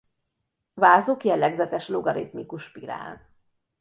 Vázuk jellegzetes logaritmikus spirál.